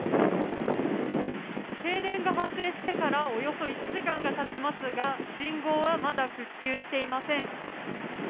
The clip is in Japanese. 停電が発生してからおよそ１時間が経ちますが信号は、まだ復旧していません。